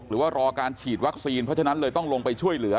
หรือว่ารอการฉีดวัคซีนเพราะฉะนั้นเลยต้องลงไปช่วยเหลือ